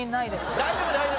大丈夫大丈夫。